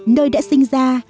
nơi đã sinh ra